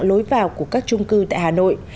lối vào của các trung cư tại hà nội